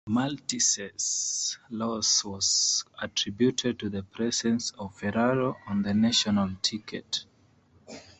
Maltese's loss was attributed to the presence of Ferraro on the national ticket.